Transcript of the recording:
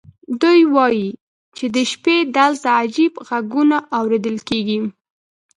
دوی وایي چې د شپې دلته عجیب غږونه اورېدل کېږي.